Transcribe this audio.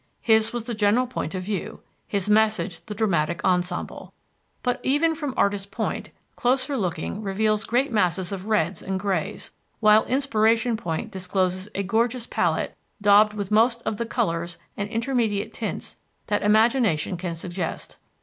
His was the general point of view, his message the dramatic ensemble. But, even from Artists' Point, closer looking reveals great masses of reds and grays, while Inspiration Point discloses a gorgeous palette daubed with most of the colors and intermediate tints that imagination can suggest.